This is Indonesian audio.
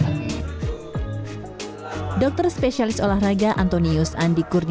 pakuhara operator olahraga antonius english li